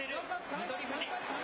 翠富士。